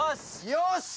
よし！